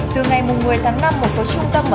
cảm ơn quý vị đã theo dõi